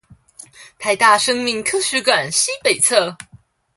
臺大生命科學館西北側